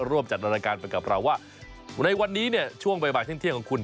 ร่วมจัดรายการไปกับเราว่าในวันนี้เนี่ยช่วงบ่ายเที่ยงของคุณ